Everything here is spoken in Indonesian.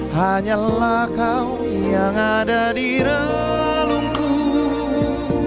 hanyalah kau yang ada di ralungku